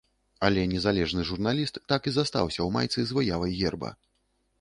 Але незалежны журналіст так і застаўся ў майцы з выявай герба.